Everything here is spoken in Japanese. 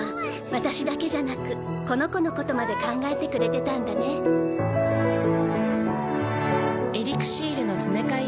私だけじゃなくこの子のことまで考えてくれてたんだねふふふ。